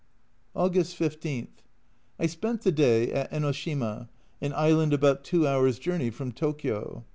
August 15. I spent the day at Enoshima, an island about two hours' journey from Tokio.